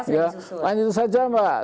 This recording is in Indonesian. buahnya itu saja pak